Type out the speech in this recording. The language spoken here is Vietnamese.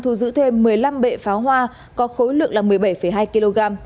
thu giữ thêm một mươi năm bệ pháo hoa có khối lượng là một mươi bảy hai kg